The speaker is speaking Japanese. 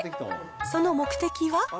その目的は。